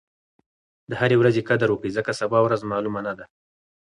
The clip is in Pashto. د هرې ورځې قدر وکړئ ځکه سبا ورځ معلومه نه ده.